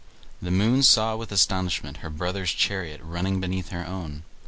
The moon saw with astonishment her brother's chariot running beneath her own.